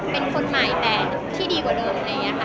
เป็นคนใหม่แต่ที่ดีกว่าเดิม